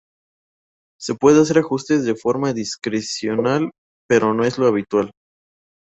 Se puede hacer ajustes de forma discrecional pero no es lo habitual.